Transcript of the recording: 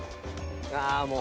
あもう！